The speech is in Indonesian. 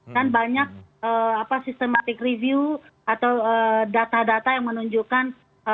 kan banyak systematic review atau data data yang menunjukkan